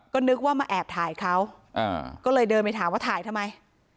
ก็นึกว่ามาแอบถ่ายเขาก็เลยเดินไปถามว่าถ่ายทำไม